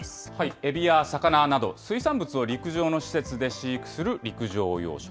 エビや魚など、水産物を陸上の施設で飼育する陸上養殖。